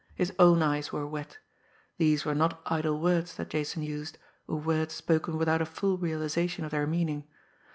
His own eyes were wet. These were not idle words that Jason used, or words spoken without a full realisation of their meaning.